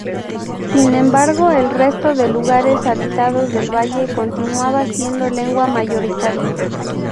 Sin embargo, en el resto de lugares habitados del valle continuaba siendo lengua mayoritaria.